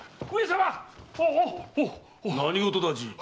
何事だじい？